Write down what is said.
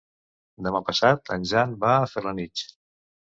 Demà passat en Jan va a Felanitx.